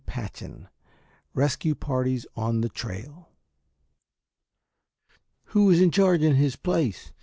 CHAPTER XIV RESCUE PARTIES ON THE TRAIL "Who is in charge in his place?